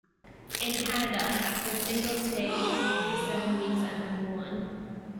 In Canada, the single stayed for seven weeks at number one.